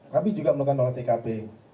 kami juga melakukan olah tkp